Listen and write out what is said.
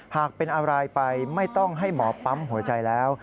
หากเป็นอะไรไปไม่ต้องให้หมอปั๊มหัวใจแล้ว